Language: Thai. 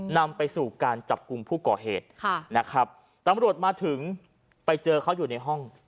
นำไปสู่การจับกลุ่มผู้ก่อเหตุค่ะนะครับตำรวจมาถึงไปเจอเขาอยู่ในห้อง